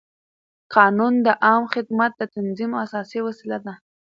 قانون د عامه خدمت د تنظیم اساسي وسیله ده.